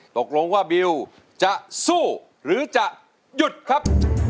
ตกลงว่าบิวจะสู้หรือจะหยุดครับ